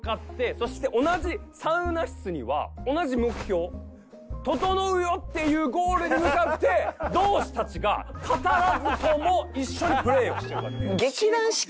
そして同じサウナ室には同じ目標ととのうよっていうゴールに向かって同志たちが語らずとも一緒にプレーをしてるわけです。